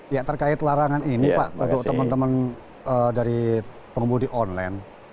ya terkait larangan ini pak untuk teman teman dari pengemudi online